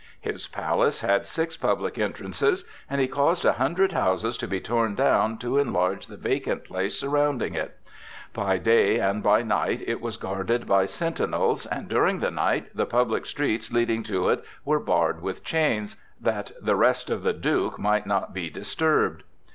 His palace had six public entrances, and he caused a hundred houses to be torn down to enlarge the vacant place surrounding it. By day and by night it was guarded by sentinels, and during the night the public streets leading to it were barred with chains, that the rest of the Duke might not be disturbed.